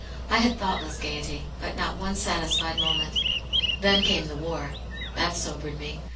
I had thoughtless gaiety, but not one satisfied moment. Then came the war. That sobered me.